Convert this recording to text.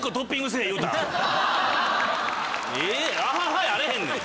「アハハ」やあれへんねん。